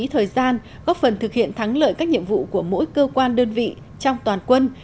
thời gian góp phần thực hiện thắng lợi các nhiệm vụ của mỗi cơ quan đơn vị trong toàn quân